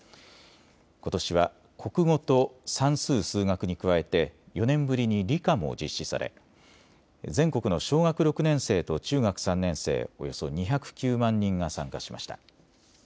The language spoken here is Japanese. ことしは国語と算数・数学に加えて４年ぶりに理科も実施され全国の小学６年生と中学３年生およそ２０９万人が参加しました。